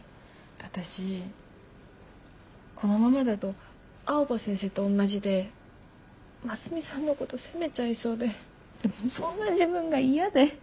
私このままだと青葉先生と同じでますみさんのこと責めちゃいそうでそんな自分が嫌で。